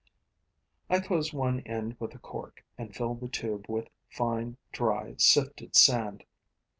I close one end with a cork and fill the tube with fine, dry, sifted sand.